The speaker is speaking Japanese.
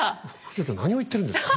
副所長何を言ってるんですか？